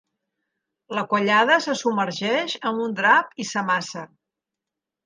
La quallada se submergeix amb un drap i s'amassa.